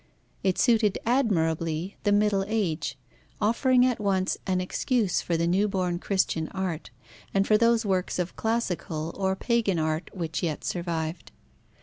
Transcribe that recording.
It suited admirably the Middle Age, offering at once an excuse for the new born Christian art, and for those works of classical or pagan art which yet survived.